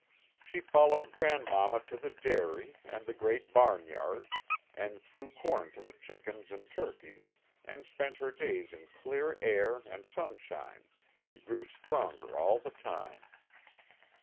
She followed Grandmamma to the dairy, and the great barnyard, and threw corn to the chickens and turkeys and spent her days in clear air and sunshine and grew stronger all the time.